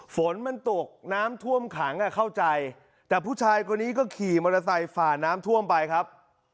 ฝนมันตกน้ำท่วมขังเข้าใจแต่ผู้ชายคนนี้ก็ขี่มอเตอร์ไซค์ฝ่าน้ำท่วมไปครับ